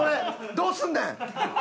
どうすんねん！？